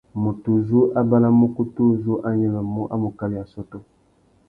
Mutu uzú a banamú ukutu uzú a nyêmêmú a mú kawi assôtô.